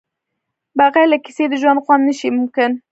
بغیر له کیسې د ژوند خوند نشي ممکن.